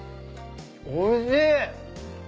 おいしい！